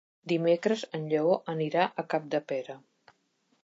Dimecres en Lleó anirà a Capdepera.